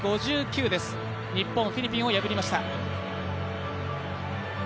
日本、フィリピンを破りました。